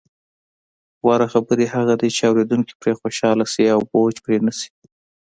غوره خبرې هغه دي، چې اوریدونکي پرې خوشحاله شي او بوج پرې نه شي.